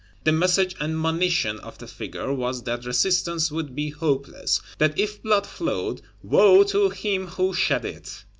The message and monition of the figure was that resistance would be hopeless; that if blood flowed, woe to him who shed it.